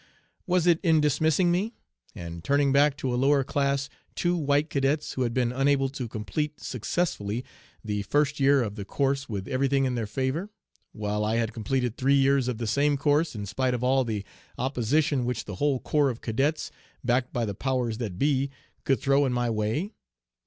"Was it in dismissing me, and turning back to a lower class two white cadets who had been unable to complete successfully the first year of the course with everything in their favor, while I had completed three years of the same course in spite of all the opposition which the whole corps of cadets, backed by the 'powers that be,' could throw in my way?